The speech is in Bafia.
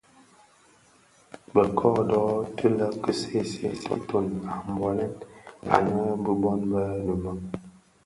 Bë kōdō ti lè ki see see siiton a bolè anë bi bon bë dimèn.